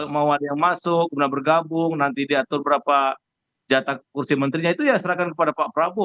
mau ada yang masuk kemudian bergabung nanti diatur berapa jatah kursi menterinya itu ya serahkan kepada pak prabowo